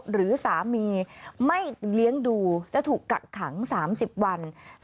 หรือสามีไม่เลี้ยงดูจะถูกกักขัง๓๐วัน